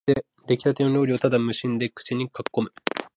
できたて料理をただ無心で口にかっこむ